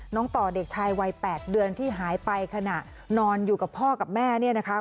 ต่อเด็กชายวัย๘เดือนที่หายไปขณะนอนอยู่กับพ่อกับแม่เนี่ยนะคะ